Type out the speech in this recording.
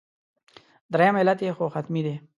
درېیم علت یې خو حتمي دی.